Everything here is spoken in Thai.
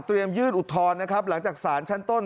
เตรียมยืดอุทธรณ์นะครับหลังจากศาลชั้นต้น